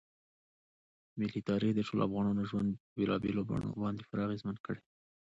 ملي تاریخ د ټولو افغانانو ژوند په بېلابېلو بڼو باندې پوره اغېزمن کړی دی.